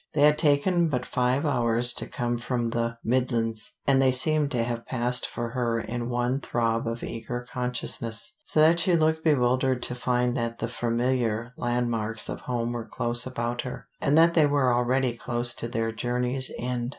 They had taken but five hours to come from the midlands, and they seemed to have passed for her in one throb of eager consciousness, so that she looked bewildered to find that the familiar landmarks of home were close about her, and that they were already close to their journey's end.